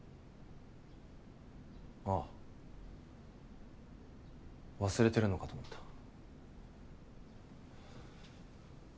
ああ忘れてるのかと思ってた。